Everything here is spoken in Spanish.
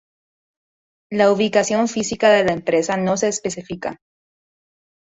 La ubicación física de la empresa no se especifica.